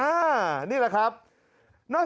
สวัสดีครับปลาง